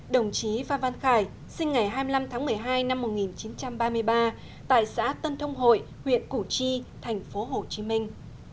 đồng chí phan văn khải sinh ngày hai mươi năm tháng một mươi hai năm một nghìn chín trăm ba mươi ba tại xã tân thông hội huyện củ chi thành phố hồ chí minh